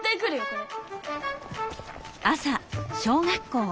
これ。